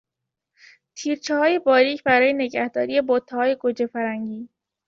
تیرچههای باریک برای نگهداری بتههای گوجهفرنگی